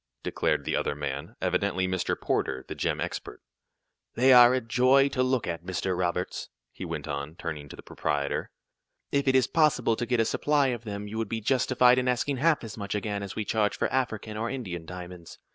declared the other man, evidently Mr. Porter, the gem expert. "They are a joy to look at, Mr. Roberts," he went on, turning to the proprietor. "If it is possible to get a supply of them you would be justified in asking half as much again as we charge for African or Indian diamonds.